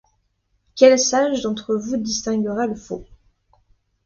Quel sage d’entre vous distinguera le faux